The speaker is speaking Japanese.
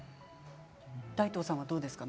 大東さんはどうですか？